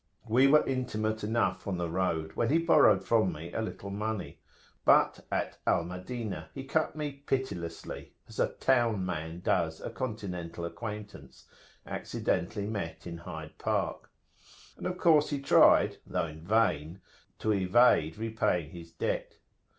We were intimate enough on the road, when he borrowed from me a little money. But at Al Madinah he cut me pitilessly, as a "town man" does a continental acquaintance accidentally met in Hyde Park; and of course he tried, though in vain, to evade repaying his debt.